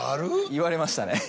言われましたね。